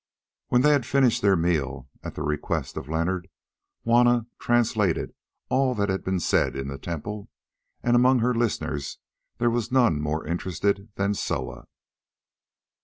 When they had finished their meal, at the request of Leonard Juanna translated all that had been said in the temple, and among her listeners there was none more interested than Soa.